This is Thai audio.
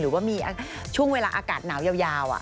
หรือว่ามีช่วงเวลาอากาศหนาวยาว